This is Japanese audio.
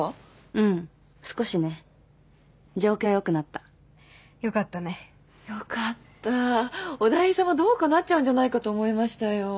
うん少しね状況よくなったよかったねよかったおだいり様どうかなっちゃうんじゃないかと思いましたよ